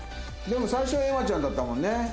でも最初は瑛茉ちゃんだったもんね。